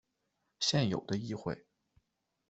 现有的议会。